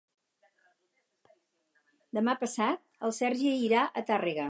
Demà passat en Sergi irà a Tàrrega.